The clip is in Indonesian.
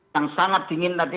yang sangat dingin tadi